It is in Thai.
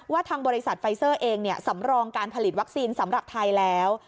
ทางบริษัทไฟเซอร์เองสำรองการผลิตวัคซีนสำหรับไทยแล้ว